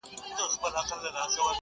o حسن خو زر نه دى چي څوك يې پـټ كــړي،